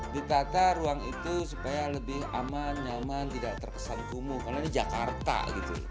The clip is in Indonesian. ditata ruang itu supaya lebih aman nyaman tidak terkesan kumuh karena ini jakarta gitu